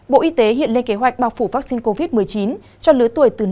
bộ y tế hiện lên kế hoạch bảo phủ vaccine covid một mươi chín cho lứa tuổi từ năm đến xứ một mươi hai